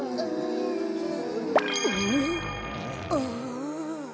ああ。